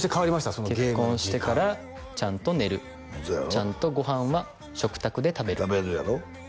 そのゲームの時間結婚してからちゃんと寝るちゃんとご飯は食卓で食べる食べるやろ？